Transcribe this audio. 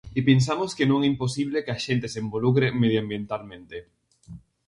E pensamos que non é imposible que a xente se involucre medioambientalmente.